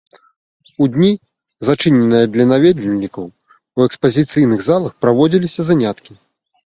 У дні, зачыненыя для наведвальнікаў у экспазіцыйных залах праводзіліся заняткі.